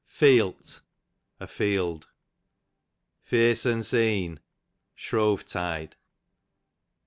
Feelt, afield. Feersuns een, shrovetide.